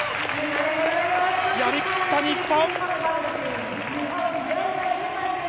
やりきった日本。